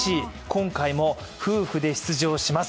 今回も夫婦で出場します。